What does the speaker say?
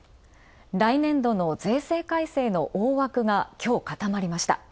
来年度の税制改正の大枠が今日固まりました。